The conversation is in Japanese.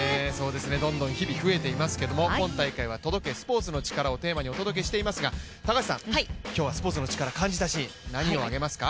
どんどん日々増えていますけど、今大会は「届け、スポーツのチカラ」をテーマにお届けしていますが、スポーツのチカラ感じたシーン何を挙げますか？